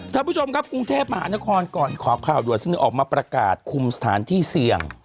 ท่านผู้ชมกับบูคแทบมานะคอนก่อนขอข่าวโดยสนุนออกมาประกาศคุมสถานที่เสี่ยง